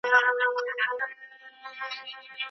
پاڼه په شمال کې مه رپوئ.